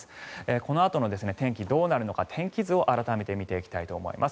このあとの天気、どうなるのか天気図を改めて見ていきたいと思います。